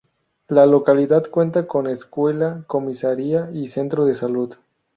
La localidad cuenta con escuela, comisaría y centro de salud.